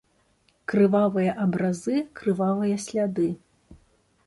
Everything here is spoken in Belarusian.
Крывавыя абразы, крывавыя сляды.